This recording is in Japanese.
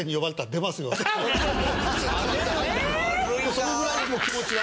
そのぐらいの気持ちは。